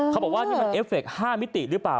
เขาบอกว่านี่มันเอฟเฟค๕มิติหรือเปล่า